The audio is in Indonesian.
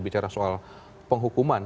bicara soal penghukuman